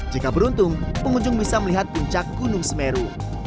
jika beruntung pengunjung bisa melihat puncak gunung semeru